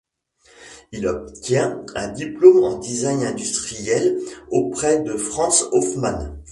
Il obtient un diplôme en design industriel auprès de Franz Hoffmann.